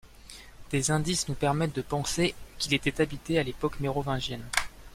Des indices nous permettent de penser qu'il était habité à l'époque mérovingienne.